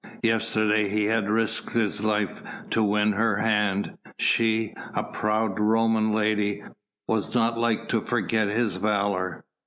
Yesterday he had risked his life to win her hand: she, a proud Roman lady, was not like to forget his valour.